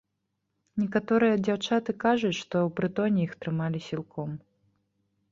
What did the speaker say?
Некаторыя дзяўчаты кажуць, што ў прытоне іх трымалі сілком.